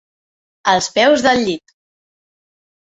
Als peus del llit.